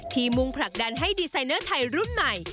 มุ่งผลักดันให้ดีไซเนอร์ไทยรุ่นใหม่